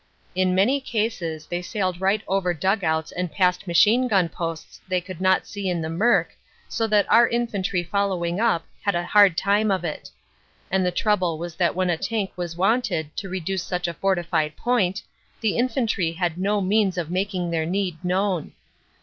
In manycases theysailed right overdug outs and past machine gun posts they could not see in the mirk, so that our infantry following up had a hard time of it. And the trouble was that when a tank was wanted to reduce such a fortified point, the infantry had no means of making their need known.